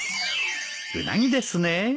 うなぎですね。